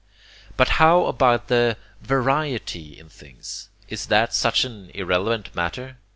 But how about the VARIETY in things? Is that such an irrelevant matter?